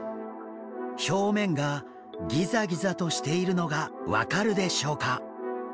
表面がギザギザとしているのが分かるでしょうか？